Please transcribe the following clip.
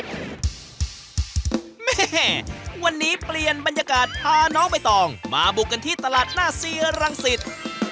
แม่วันนี้เปลี่ยนบรรยากาศพาน้องใบตองมาบุกกันที่ตลาดหน้าเซียรังสิต